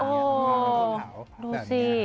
โอ้ดูสิ